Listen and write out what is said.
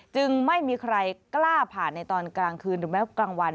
จึงไม่มีใครกล้าผ่านในตอนกลางคืนหรือแม้กลางวัน